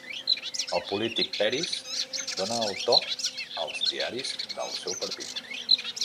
El polític Peris dona el to als diaris del seu partit.